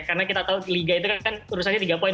karena kita tahu liga itu kan urusannya tiga poin